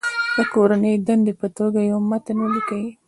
د کورنۍ دندې په توګه یو متن ولیکئ.